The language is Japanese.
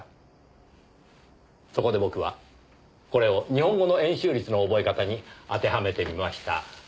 そこで僕はこれを日本語の円周率の覚え方に当てはめてみました。